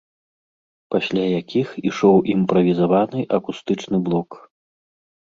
Пасля якіх ішоў імправізаваны акустычны блок.